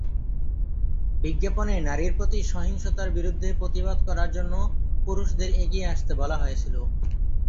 বিজ্ঞাপনে নারীর প্রতি সহিংসতার বিরুদ্ধে প্রতিবাদ করার জন্য পুরুষদের এগিয়ে আসতে বলা হয়েছিল।